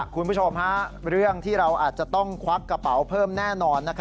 คุณผู้ชมเรื่องที่เราอาจจะต้องควักกระเป๋าเพิ่มแน่นอน